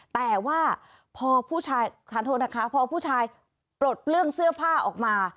แต่ว่าพอผู้ชายทานโทษนะคะพอผู้ชายปลดเปลื้องเสื้อผ้าออกมา